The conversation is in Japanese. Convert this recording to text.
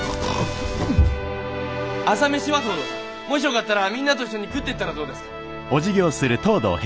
もしよかったらみんなと一緒に食ってったらどうですか？